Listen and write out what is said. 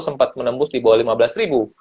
sempat menembus di bawah lima belas ribu